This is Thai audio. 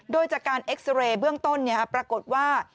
โดยจากการเอ็กซาเรย์เบื้องต้นปรากฏว่า